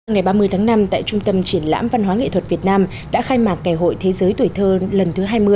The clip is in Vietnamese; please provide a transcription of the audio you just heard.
ngày ba mươi tháng năm tại trung tâm triển lãm văn hóa nghệ thuật việt nam đã khai mạc ngày hội thế giới tuổi thơ lần thứ hai mươi